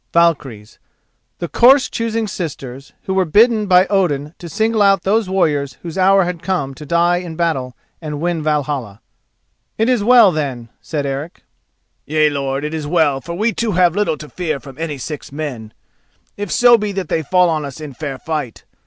[*] The "corse choosing sisters" who were bidden by Odin to single out those warriors whose hour had come to die in battle and win Valhalla. "It is well, then," said Eric. "Yea, lord, it is well, for we two have little to fear from any six men, if so be that they fall on us in fair fight.